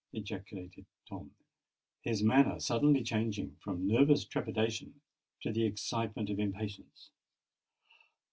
ejaculated Tom, his manner suddenly changing from nervous trepidation to the excitement of impatience.